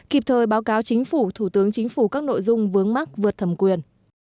kịp thời báo cáo chính phủ thủ tướng chính phủ các nội dung vướng mắt vượt thẩm quyền